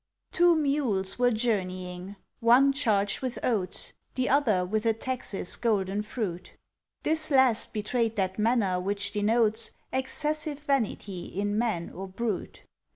Two Mules were journeying one charged with oats, The other with a tax's golden fruit. This last betrayed that manner which denotes Excessive vanity in man or brute.